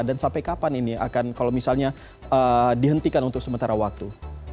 dan sampai kapan ini akan kalau misalnya dihentikan untuk sementara waktu